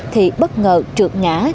thì bất ngờ trượt ngã